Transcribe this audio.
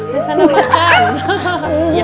ke sana makan